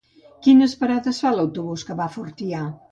Quines parades fa l'autobús que va a Fortià?